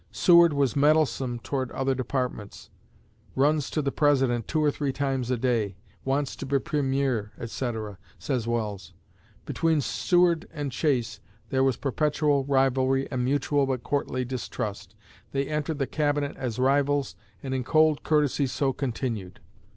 Seward was "meddlesome" toward other departments; "runs to the President two or three times a day; wants to be Premier," etc., says Welles. "Between Seward and Chase there was perpetual rivalry and mutual but courtly distrust; they entered the Cabinet as rivals, and in cold courtesy so continued."